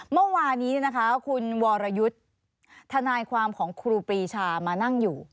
เมื่อวานี้คุณวรยุทธ์ทนายความของครูปรีชามานั่งอยู่